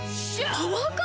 パワーカーブ⁉